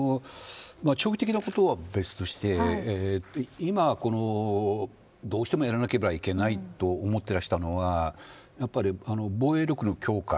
長期的なことは別として今どうしてもやらなければいけないと思っていらしたのはやっぱり防衛力の強化